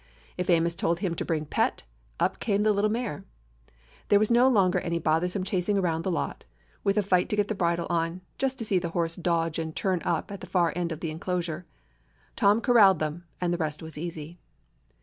If Amos told him to bring Pet, up came the little mare. There was no longer any bothersome chasing around the lot, with a fight to get the bridle on, just 242 A DOG OF THE EASTERN STATES to see the horse dodge and turn up at the far end of the inclosure. Tom corralled them, and the rest was easy.